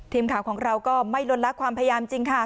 ทีมข่าวของเราก็ไม่ลดละความพยายามจริงค่ะ